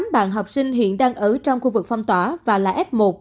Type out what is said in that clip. một mươi tám bạn học sinh hiện đang ở trong khu vực phong tỏa và là f một